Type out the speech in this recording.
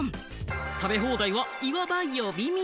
食べ放題はいわば呼び水。